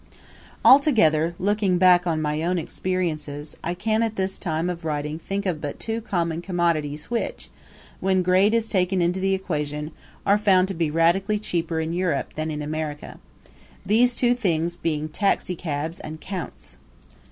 Altogether, looking back on my own experiences, I can at this time of writing think of but two common commodities which, when grade is taken into the equation, are found to be radically cheaper in Europe than in America these two things being taxicabs and counts.